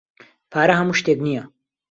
پارە ھەموو شتێک نییە.